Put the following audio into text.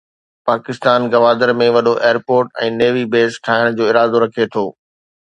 پاڪستان گوادر ۾ وڏو airport ۽ navy base ٺاهڻ جو ارادو رکي ٿو.